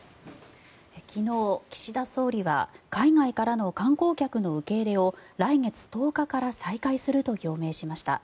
昨日、岸田総理は海外からの観光客の受け入れを来月１０日から再開すると表明しました。